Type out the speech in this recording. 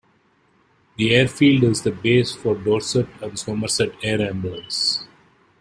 The airfield is the base for the Dorset and Somerset Air Ambulance.